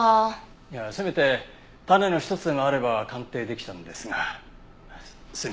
いやせめて種の一つでもあれば鑑定できたんですがすみません。